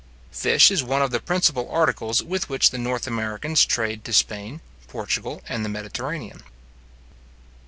Fish is one of the principal articles with which the North Americans trade to Spain, Portugal, and the Mediterranean.